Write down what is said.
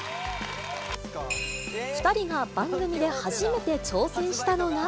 ２人が番組で初めて挑戦したのが。